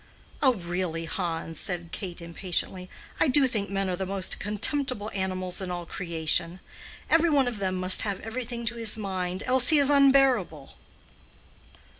"Oh, really, Hans," said Kate, impatiently. "I do think men are the most contemptible animals in all creation. Every one of them must have everything to his mind, else he is unbearable."